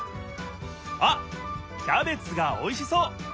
あっキャベツがおいしそう！